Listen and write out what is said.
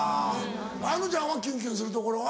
あのちゃんはキュンキュンするところは？